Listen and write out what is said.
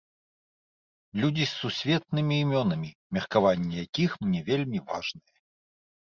Людзі з сусветнымі імёнамі меркаванне якіх мне вельмі важнае.